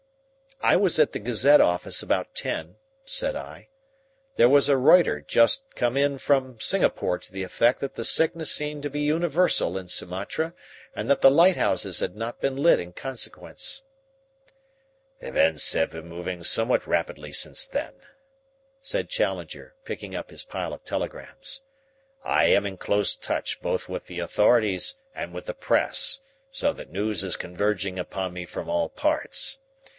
"I was at the Gazette office about ten," said I. "There was a Reuter just come in from Singapore to the effect that the sickness seemed to be universal in Sumatra and that the lighthouses had not been lit in consequence." "Events have been moving somewhat rapidly since then," said Challenger, picking up his pile of telegrams. "I am in close touch both with the authorities and with the press, so that news is converging upon me from all parts.